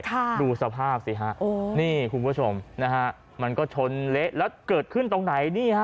ดูสภาพสิฮะโอ้นี่คุณผู้ชมนะฮะมันก็ชนเละแล้วเกิดขึ้นตรงไหนนี่ฮะ